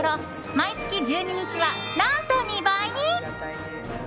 毎月１２日は、何と２倍に。